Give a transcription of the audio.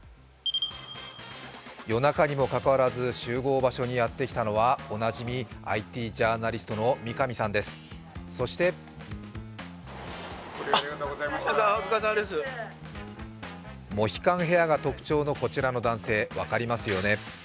夜中にもかかわらず集合場所にやってきたのはおなじみ、ＩＴジャーナリストの三上さんです、そしてモヒカンヘアが特徴のこちらの男性、分かりますよね。